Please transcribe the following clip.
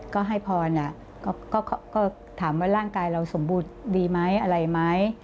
ก็ให้พรก็ถามว่าร่างกายเราสมบูรณ์ดีไหมอะไรไหม